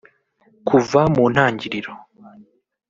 Kuva mu ntangiriro